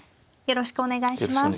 よろしくお願いします。